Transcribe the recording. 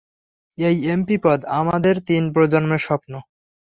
এই এমপি পদ আমাদের তিন প্রজন্মের স্বপ্ন।